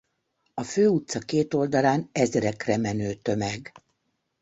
A főutca két oldalán ezrekre menő tömeg.